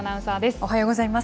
おはようございます。